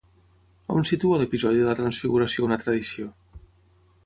On situa l'episodi de la transfiguració una tradició?